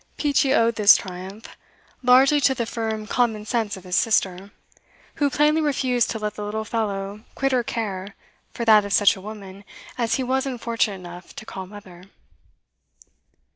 Peachey owed this triumph largely to the firm commonsense of his sister, who plainly refused to let the little fellow quit her care for that of such a woman as he was unfortunate enough to call mother.